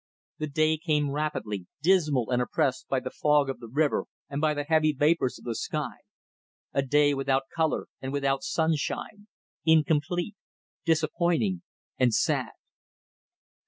The day came rapidly, dismal and oppressed by the fog of the river and by the heavy vapours of the sky a day without colour and without sunshine: incomplete, disappointing, and sad.